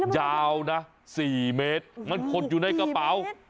ยาวนะ๔เมตรมันขดอยู่ในกระเป๋า